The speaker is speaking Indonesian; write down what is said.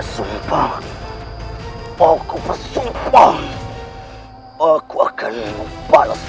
akhirnya kalian bisa pulih